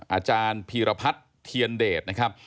อาจารย์พีรพัฒน์เทียนเดชนะครับ